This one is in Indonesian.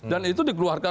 dan itu dikeluarkan